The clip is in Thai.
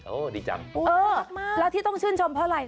ดีจังมากแล้วที่ต้องชื่นชมเพราะอะไร